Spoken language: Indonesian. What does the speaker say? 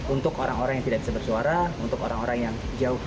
untuk orang orang yang tidak bisa bersuara untuk orang orang yang jauh